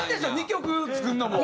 ２曲作るのも。